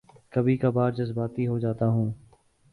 کبھی کبھار جذباتی ہو جاتا ہوں